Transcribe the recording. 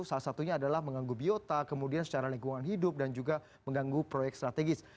salah satunya adalah mengganggu biota kemudian secara lingkungan hidup dan juga mengganggu proyek strategis